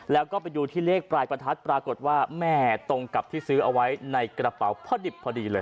แล้วก็ไปดูที่เลขปลายประทัดปรากฏว่าแม่ตรงกับที่ซื้อเอาไว้ในกระเป๋าพอดิบพอดีเลย